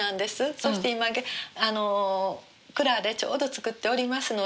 そして今蔵でちょうど造っておりますので。